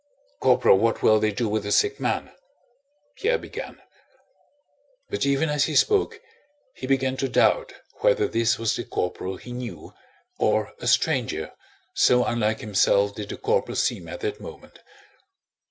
"Corporal, what will they do with the sick man?..." Pierre began. But even as he spoke he began to doubt whether this was the corporal he knew or a stranger, so unlike himself did the corporal seem at that moment.